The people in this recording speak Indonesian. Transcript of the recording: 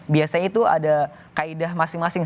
biasanya itu ada kaedah masing masing